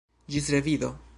Ĝis revido!